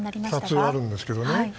２つあるんですけどもね